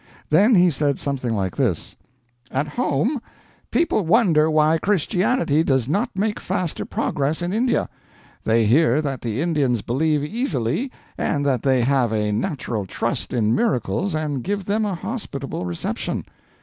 Then he said something like this: "At home, people wonder why Christianity does not make faster progress in India. They hear that the Indians believe easily, and that they have a natural trust in miracles and give them a hospitable reception.